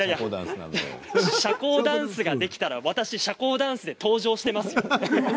社交ダンスができたら私、社交ダンスで登場していますよ。